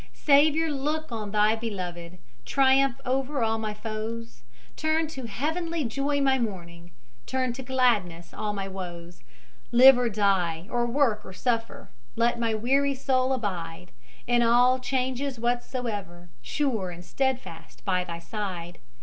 Saviour, look on Thy beloved; Triumph over all my foes; Turn to heavenly joy my mourning, Turn to gladness all my woes; Live or die, or work or suffer, Let my weary soul abide, In all changes whatsoever Sure and steadfast by Thy side.